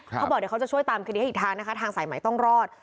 เขาบอกเดี๋ยวเขาจะช่วยตามคดีให้อีกทางนะคะทางสายใหม่ต้องรอด